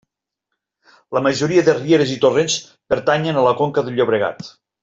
La majoria de rieres i torrents pertanyen a la conca del Llobregat.